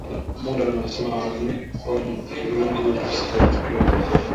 Monda anasema haamini kuwa vurugu zitatokea